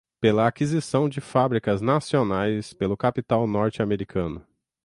pela aquisição de fábricas nacionais pelo capital norte-americano